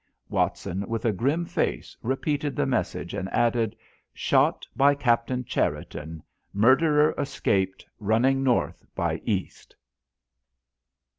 Watson, with a grim face, repeated the message and added: "Shot by Captain Cherriton. Murderer escaped, running north by east."